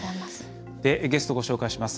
ゲストをご紹介します。